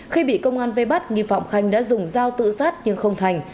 khi bị công an vê bắt nghi phạm khanh đã dùng dao tự sát nhưng không thành